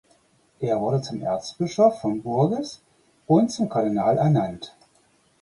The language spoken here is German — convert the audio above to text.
Er wurde zum Erzbischof von Bourges und zum Kardinal ernannt.